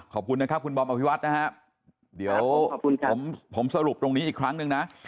ขอบคุณนะครับคุณบอมอภิวัตนะฮะเดี๋ยวผมสรุปตรงนี้อีกครั้งหนึ่งนะ